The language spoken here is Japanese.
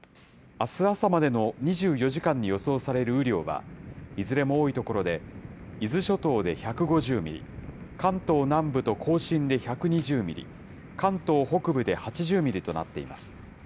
あす朝までの２４時間に予想される雨量は、いずれも多い所で、伊豆諸島で１５０ミリ、関東南部と甲信で１２０ミリ、関東北部で８０ミリとなっています。